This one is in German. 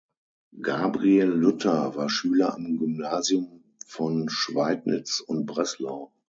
Gabriel Luther war Schüler am Gymnasium von Schweidnitz und Breslau.